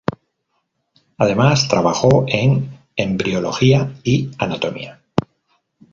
Además trabajó en embriología y anatomía.